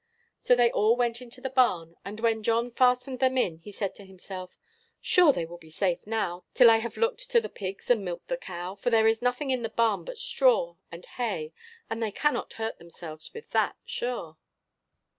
So they all went into the barn, and when John fastened them in he said to himself, "Sure they will be safe now, till I have looked to the pigs and milked the cow; for there is nothing in the barn but straw and hay, and they cannot hurt themselves with that, sure."